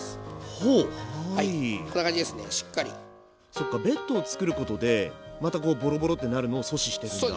そっかベッドを作ることでまたこうボロボロってなるのを阻止してるんだ。